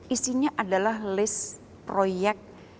isinya adalah list proyek